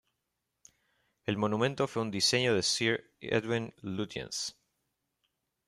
El monumento fue un diseño de Sir Edwin Lutyens.